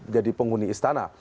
jadi penghuni istana